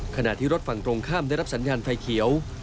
ขณะที่รถฝั่งตรงข้ามได้รับสัญญาณไฟเขียว